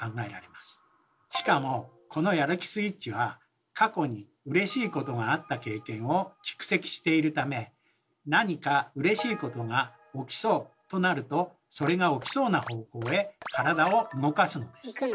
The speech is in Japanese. しかもこのやる気スイッチは過去にうれしいことがあった経験を蓄積しているため何かうれしいことが起きそうとなるとそれが起きそうな方向へ体を動かすのです。